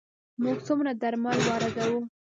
موږ څومره درمل واردوو؟